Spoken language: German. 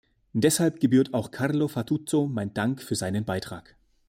Deshalb gebührt auch Carlo Fatuzzo mein Dank für seinen Beitrag.